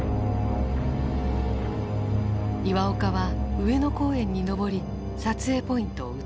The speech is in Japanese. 岩岡は上野公園に登り撮影ポイントを移した。